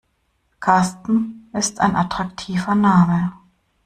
Karsten ist ein attraktiver Name.